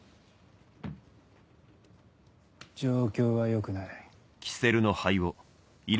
状況は良くない。